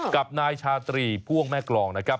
กับนายชาตรีพ่วงแม่กรองนะครับ